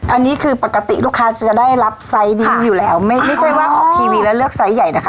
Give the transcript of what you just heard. อันนี้คือปกติลูกค้าจะได้รับไซส์นี้อยู่แล้วไม่ใช่ว่าออกทีวีแล้วเลือกไซส์ใหญ่นะคะ